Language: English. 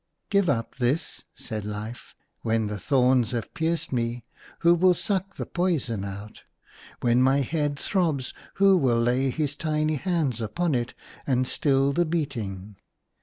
" Give up this !" said Life. " When the thorns have pierced me, who will suck the poison out ? When my head throbs, who will lay his tiny hands upon it and still the beating